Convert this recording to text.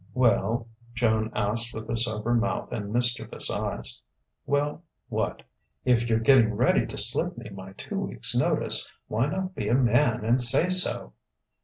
"Well?" Joan asked with a sober mouth and mischievous eyes. "Well what?" "If you're getting ready to slip me my two weeks' notice, why not be a man and say so?"